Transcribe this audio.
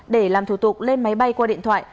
để làm thủ tục lên máy bay qua điện thoại